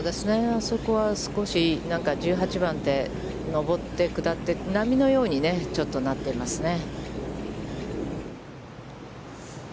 あそこは少し、１８番って、上って下って、波のようにちょっとなってますね。